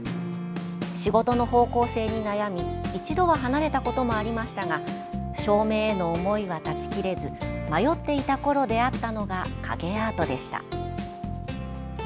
仕事の方向性に悩み一度は離れたこともありましたが照明への思いは断ち切れず迷っていたころ出会ったのが影アートでした。